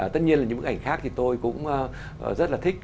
tất nhiên là những bức ảnh khác thì tôi cũng rất là thích